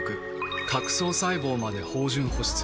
角層細胞まで豊潤保湿。